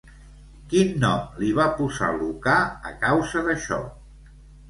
Quin nom li va posar Lucà a causa d'això?